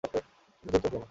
এতো চুপচাপ কেন?